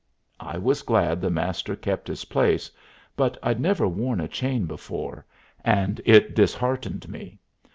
I was glad the Master kept his place, but I'd never worn a chain before, and it disheartened me.